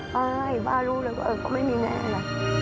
ป้าให้ป้ารู้เลยว่าก็ไม่มีแม่เลย